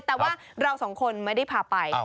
แต่ว่าเราสองคนไม่ได้พาไป